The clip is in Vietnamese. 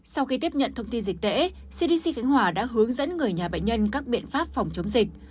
sau khi tiếp nhận thông tin dịch tễ cdc khánh hòa đã hướng dẫn người nhà bệnh nhân các biện pháp phòng chống dịch